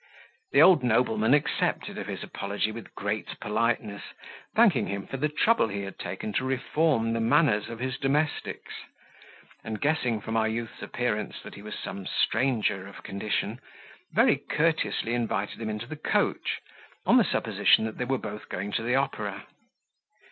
The old nobleman accepted of his apology with great politeness, thanking him for the trouble he had taken to reform the manners of his domestics; and guessing from our youth's appearance that he was some stranger of condition, very courteously invited him into the coach, on the supposition that they were both going to the opera.